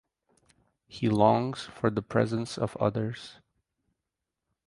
He longs for the presence of others.